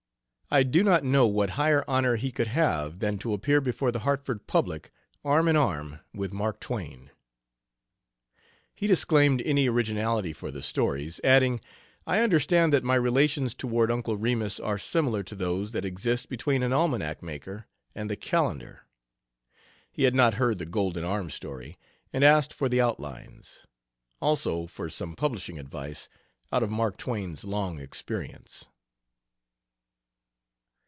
"I do not know what higher honor he could have than to appear before the Hartford public arm in arm with Mark Twain." He disclaimed any originality for the stories, adding, "I understand that my relations toward Uncle Remus are similar to those that exist between an almanac maker and the calendar." He had not heard the "Golden Arm" story and asked for the outlines; also for some publishing advice, out of Mark Twain's long experience.